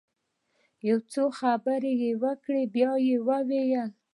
يو څو خبرې يې وکړې بيا يې وويل.